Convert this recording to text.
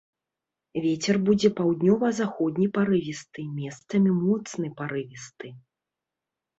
Вецер будзе паўднёва-заходні парывісты, месцамі моцны парывісты.